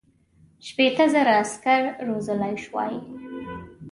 شپېته زره عسکر روزلای سوای.